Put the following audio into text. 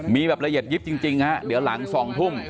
มีแบบละเอียดยิบจริงฮะเดี๋ยวหลัง๒ทุ่ม